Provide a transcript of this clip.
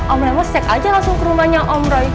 om lemos cek aja langsung ke rumahnya om roy